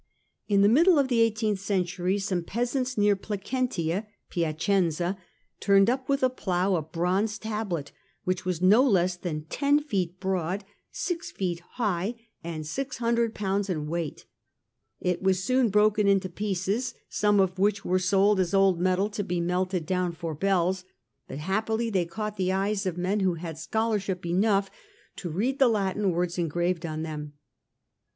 In the middle of the eighteenth century some peasants near Placentia (Piacenza) turned up with the plough a Thechari bronze tablet, which was no less than ten table feet broad, six feet high, and 600 pounds in endowments .,.. for poor weight. It was soon broken into pieces, some children. whicli were sold as old metal to be melted down for bells, but happily they caught the eyes of men who had scholarship enough to read the Latin words engraved on them.